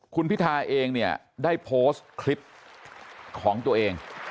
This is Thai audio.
คุณพิทาเองเนี่ยได้โพสต์คลิปของตัวเอง